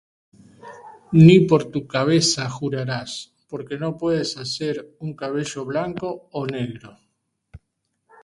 Ni por tu cabeza jurarás, porque no puedes hacer un cabello blanco ó negro.